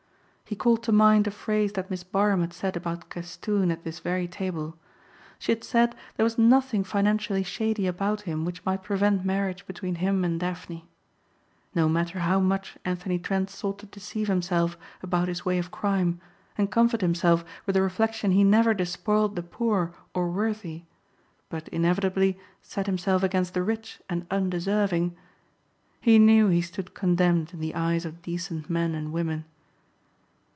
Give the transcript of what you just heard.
He called to mind a phrase that Miss Barham had said about Castoon at this very table. She had said there was nothing financially shady about him which might prevent marriage between him and Daphne. No matter how much Anthony Trent sought to deceive himself about his way of crime and comfort himself with the reflection he never despoiled the poor or worthy but inevitably set himself against the rich and undeserving, he knew he stood condemned in the eyes of decent men and women.